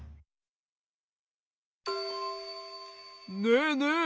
ねえねえ。